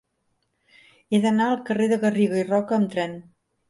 He d'anar al carrer de Garriga i Roca amb tren.